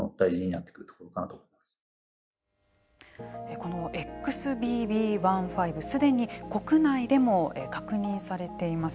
このＸＢＢ．１．５すでに国内でも確認されています。